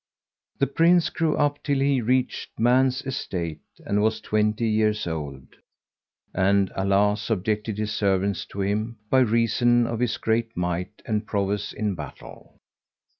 This Prince grew up till he reached man's estate and was twenty years old, and Allah subjected His servants to him, by reason of his great might and prowess in battle.